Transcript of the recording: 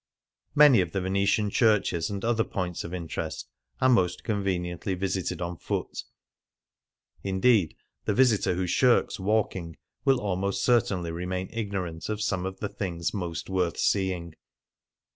Many of the Venetian churches and other points of interest are most conveniently visited on foot ; indeed, the visitor who shirks walking will almost certainly remain ignorant of some of the thino;s most worth seeino